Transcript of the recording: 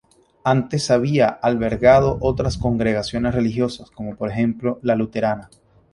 Antes había albergado otras congregaciones religiosas, como por ejemplo la luterana.